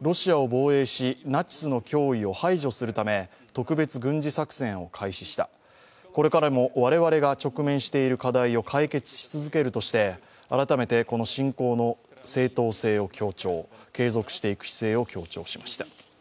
ロシアを防衛しナチスの脅威を排除するため特別軍事作戦を開始した、これからも我々が直面している課題を解決し続けるとして、改めてこの侵攻の正当性を強調、継続していく姿勢を強調しました。